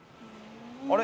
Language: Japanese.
あれ？